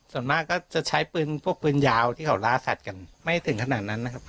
ส่วนมากก็จะใช้ปืนพวกปืนยาวที่เขาล่าสัตว์กันไม่ถึงขนาดนั้นนะครับ